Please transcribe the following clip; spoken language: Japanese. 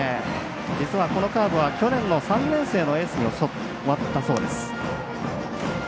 実はこのカーブは去年の３年生のエースに教わったそうです。